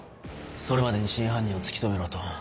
それまでに真犯人を突き止めろと。